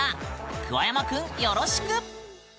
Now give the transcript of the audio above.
桑山くんよろしく！